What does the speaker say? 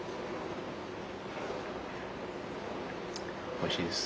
おいしいです。